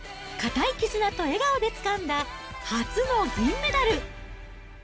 固い絆と笑顔でつかんだ初の銀メダル！